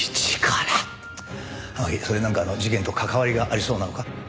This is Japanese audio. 天樹それはなんか事件と関わりがありそうなのか？